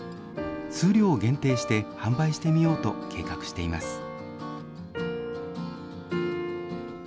数量を限定して、販売してみようと計画しています。